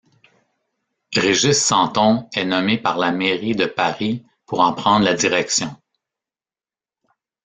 Régis Santon est nommé par la mairie de Paris pour en prendre la direction.